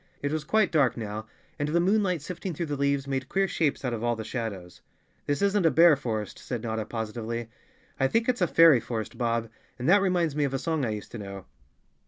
It was quite dark now, and the moonlight sifting through the leaves made queer shapes out of all the shadows. "This isn't a bear forest," said Notta positively. "I think it's a fairy forest, Bob, and that reminds me of a song I used to know."